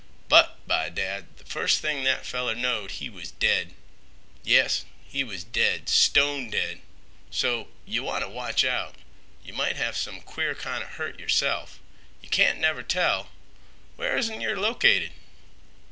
But, by dad, th' first thing that feller knowed he was dead. Yes, he was dead—stone dead. So, yeh wanta watch out. Yeh might have some queer kind 'a hurt yerself. Yeh can't never tell. Where is your'n located?"